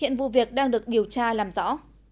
hiện vụ việc đang được điều tra làm rõ